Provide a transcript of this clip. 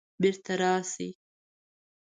بیرته راشئ